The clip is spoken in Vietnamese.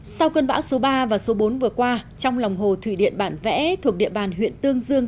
sau cơn bão số ba và số bốn vừa qua trong lòng hồ thủy điện bản vẽ thuộc địa bàn huyện tương dương